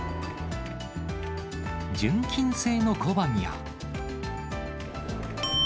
純金製の小判や。